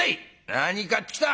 「何買ってきた？」。